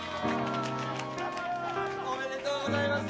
おめでとうございます